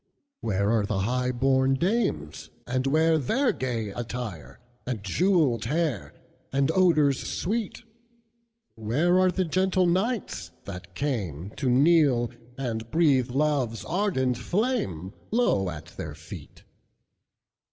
Where are the high born dames, and whereTheir gay attire, and jewelled hair, And odors sweet? Where are the gentle knights, that cameTo kneel, and breathe love's ardent flame, Low at their feet?